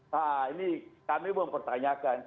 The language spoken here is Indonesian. nah ini kami mempertanyakan